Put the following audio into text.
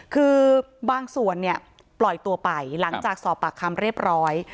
คือบางส่วนเนี่ยปล่อยตัวไปหลังจากสอบปากคำเรียบร้อย